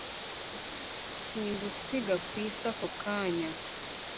singusiga kwisi"ako kanya